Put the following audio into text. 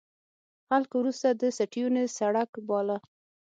خلکو وروسته د سټیونز سړک باله.